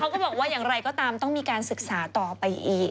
ก็บอกว่าอย่างไรก็ตามต้องมีการศึกษาต่อไปอีก